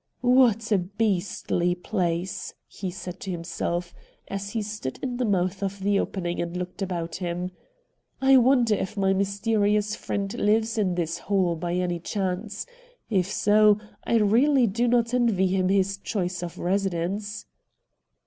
' What a beastly place !' he said to himself, io8 RED DIAMOhDS as he stood in the mouth of the opening and looked about him. ' I wonder if my myste rious friend Hves in this hole by any chance. If so, I really do not envy him his choice of a residence.'